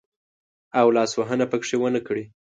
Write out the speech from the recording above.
او لاس وهنه پکښې ونه کړي.